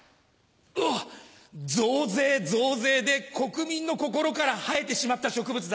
うわっ増税増税で国民の心から生えてしまった植物だ。